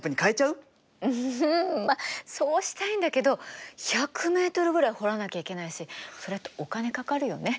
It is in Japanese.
うんまあそうしたいんだけど１００メートルぐらい掘らなきゃいけないしそれってお金かかるよね。